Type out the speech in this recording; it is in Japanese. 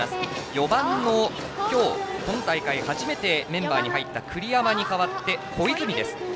４番の今日、今大会初めてメンバーに入った栗山に代わって小泉です。